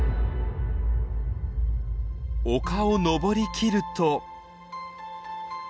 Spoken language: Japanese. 丘を登り切ると。